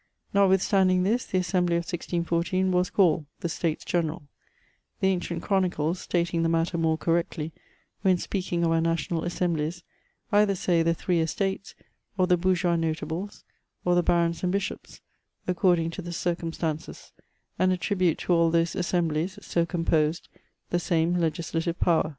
Notwithstanding this, the Assembly of 1614 was called the States General, The ancient chronicles, stating the matter more correctly, when speaking of our National Assemblies, either say the Three Estates, or the Bourgeois' Notables, or the Barons and Bishops^ according to the circum stances, and attribute to all those assemblies, so composed, the same legislative power.